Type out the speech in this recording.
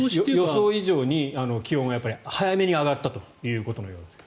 予想以上に気温が早めに上がったということのようです。